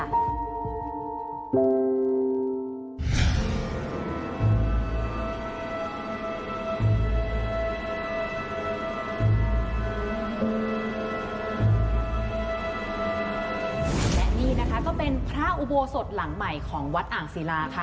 และนี่นะคะก็เป็นพระอุโบสถหลังใหม่ของวัดอ่างศิลาค่ะ